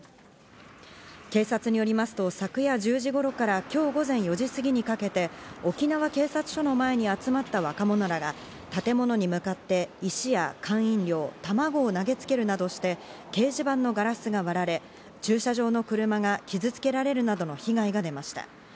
警察によりますと昨夜１０時頃から今日午前４時すぎにかけて沖縄警察署の前に集まった若者らが建物に向かって石や缶飲料、卵を投げつけるなどして掲示板のガラスが割られ、駐車場の車が傷付けられるなどの被害が出ました。